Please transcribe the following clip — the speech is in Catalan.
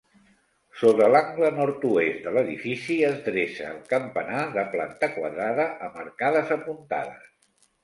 Sobre l'angle nord-oest de l'edifici es dreça el campanar de planta quadrada, amb arcades apuntades.